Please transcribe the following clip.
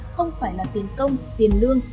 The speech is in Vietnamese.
không phải là tiền công tiền lương